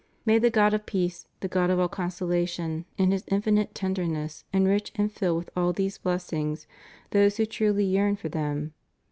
May the God of Peace, the God of all consolation, in His infinite tenderness enrich and fill with all these blessings those who truly yearn for them.